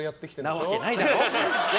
なわけないだろ！